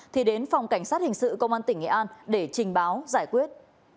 thì đến phòng cảnh sát hình sự công an tỉnh nghệ an để trình báo giải quyết